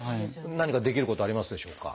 何かできることはありますでしょうか？